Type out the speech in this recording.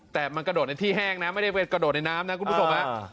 แต่มันกระโดดในที่แห้งนะไม่ได้ไปกระโดดในน้ำนะคุณผู้ชมนะ